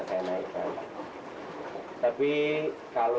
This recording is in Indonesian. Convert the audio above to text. semuanya juga tergantung pada kamu